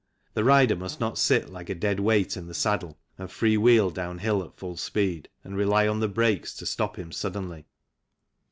The rider must not sit like a dead weight in the saddle and free wheel down hill at full speed and rely on the brakes to stop him suddenly.